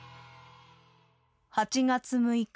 ８月６日